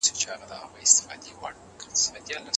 خپلې غوښتنې له شرعي اصولو سره برابرې کړئ.